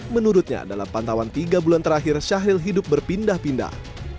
menurutnya dalam pantauan tiga bulan terakhir syahril hidup berpindah pindah